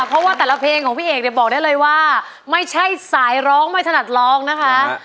เพราะว่าแต่ละเพลงของพี่เอกเนี่ยบอกได้เลยว่าไม่ใช่สายร้องไม่ถนัดร้องนะคะ